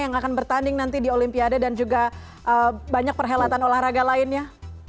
yang akan bertanding nanti di olimpiade dan juga banyak perhelatan olahraga lainnya